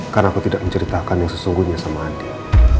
karena aku tidak menceritakan yang sesungguhnya sama andin